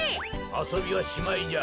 あそびはしまいじゃ。